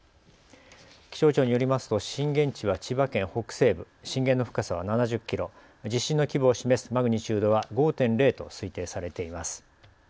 気象庁によりますと震源地は千葉県北西部、震源の深さは７０キロ、地震の規模を示すマグニチュードは５．０と推定されています。